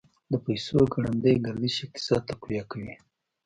د پیسو ګړندی گردش اقتصاد تقویه کوي.